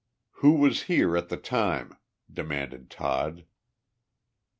"Who was here at the time?" demanded Todd.